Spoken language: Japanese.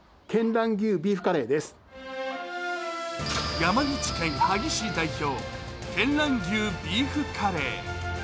山口県萩市代表、見蘭牛ビーフカレー。